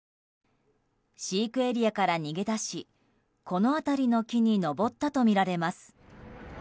飼育エリアから逃げ出しこの辺りの木に登ったとみられます。